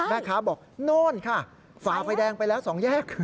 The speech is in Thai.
แม่ค้าบอกโน่นค่ะฝ่าไฟแดงไปแล้ว๒แยก